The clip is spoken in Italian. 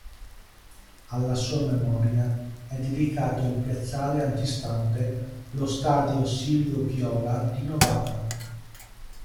Alla sua memoria è dedicato il piazzale antistante lo Stadio Silvio Piola di Novara.